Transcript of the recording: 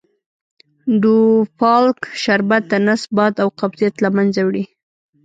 ډوفالک شربت دنس باد او قبضیت له منځه وړي .